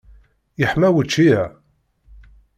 Yeḥma wučči-a?